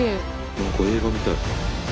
何か映画みたい。